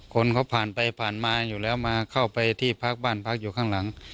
คนเขาผ่านไปผ่านมาอยู่แล้วมาเข้าไปที่พักบ้านพักอยู่ข้างหลัง